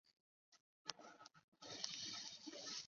然而该国最终只派出三名选手参加击剑项目。